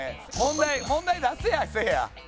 問題出せやせいや。